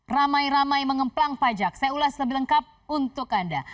ramai ramai mengemplang pajak saya ulas lebih lengkap untuk anda